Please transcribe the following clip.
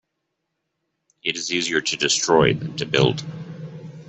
It is easier to destroy than to build.